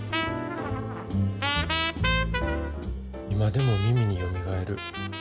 今でも耳によみがえる。